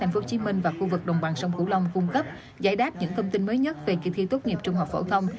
khu vực đồng bằng sông cửu long cung cấp giải đáp những thông tin mới nhất về kỳ thi tốt nghiệp trung học phổ thông